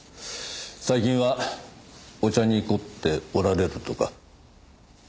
最近はお茶に凝っておられるとか？